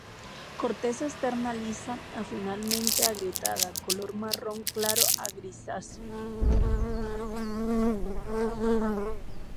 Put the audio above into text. Corteza externa lisa a finamente agrietada, color marrón claro a grisáceo.